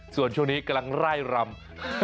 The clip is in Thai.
ส่วนช่วงนี้กำลังไล่รำ